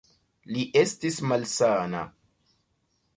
Li estis malsana.